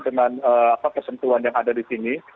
dengan kesentuhan yang ada di sini